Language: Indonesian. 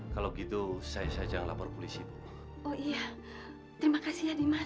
kalau gitu saya saya jangan lapor polisi oh iya terima kasih ya dimas